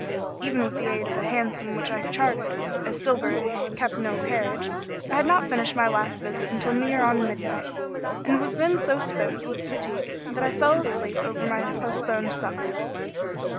Even with the aid of a hansom which I chartered, as Stillbury kept no carriage, I had not finished my last visit until near on midnight, and was then so spent with fatigue that I fell asleep over my postponed supper.